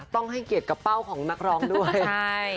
ต้องให้เกลียดกับเป้าของนักร้องด้วย